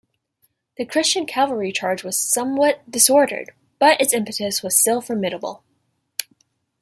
The Christian cavalry charge was somewhat disordered, but its impetus was still formidable.